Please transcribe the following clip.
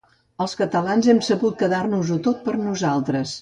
Els catalans hem sabut quedar-nos-ho tot per a nosaltres.